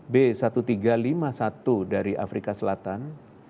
b satu tiga lima satu dari afrika selatan